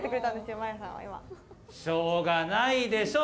しょうがないでしょう。